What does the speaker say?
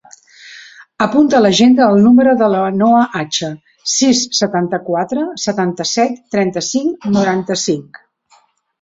Apunta a l'agenda el número de la Noa Acha: sis, setanta-quatre, setanta-set, trenta-cinc, noranta-cinc.